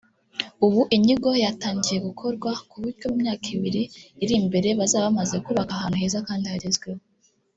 ubu inyigo yatangiye gukorwa ku buryo mu myaka ibiri iri mbere bazaba bamaze kubaka ahantu heza kandi hagezweho